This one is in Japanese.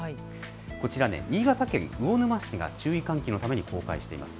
こちら新潟県魚沼市が注意喚起のために公開しています